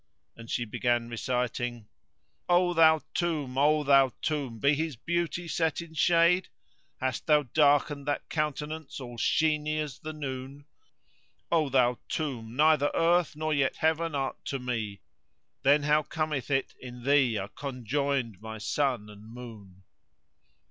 and she began reciting:— O thou tomb! O, thou tomb! be his beauty set in shade? * Hast thou darkened that countenance all sheeny as the noon? O thou tomb! neither earth nor yet heaven art to me * Then how cometh it in thee are conjoined my sun and moon?